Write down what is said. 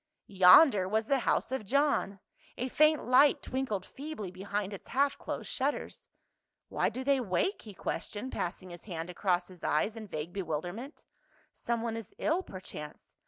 Yonder was the house of John, a faint light twinkled feebly behind its half closed shutters. " Why do they wake?" he questioned, passing his hand across his eyes in vague bewilderment. " Someone is ill, per chance.